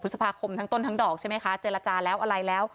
พฤษภาคมทั้งต้นทั้งดอกใช่ไหมคะเจรจาแล้วอะไรแล้ว